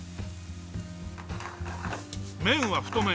麺は太麺。